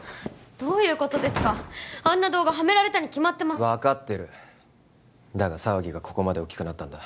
どういうことですかあんな動画ハメられたに決まってます分かってるだが騒ぎがここまで大きくなったんだ